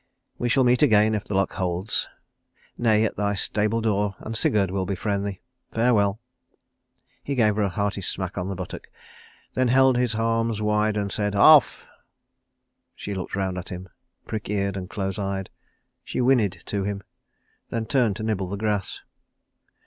We shall meet again if the luck holds. Neigh at thy stable door and Sigurd will befriend thee. Farewell." He gave her a hearty smack on the buttock, then held his arms wide and said "Off." She looked round at him, prick eared and close eyed. She whinnied to him, then turned to nibble the grass.